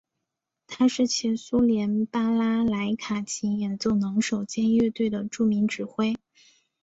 他是前苏联巴拉莱卡琴演奏能手兼乐队的著名指挥。